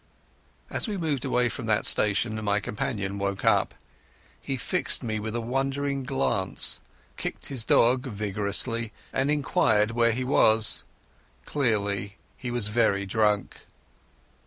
As we moved away from that station my companion woke up. He fixed me with a wandering glance, kicked his dog viciously, and inquired where he was. Clearly he was very drunk.